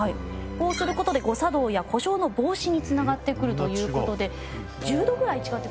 こうする事で誤作動や故障の防止につながってくるという事で１０度ぐらい違ってくるんですね。